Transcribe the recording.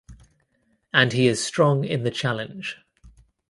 And he is strong in the challenge.